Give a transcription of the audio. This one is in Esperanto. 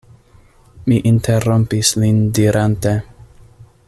Mi interrompis lin dirante: